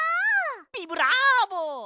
ビブラーボ！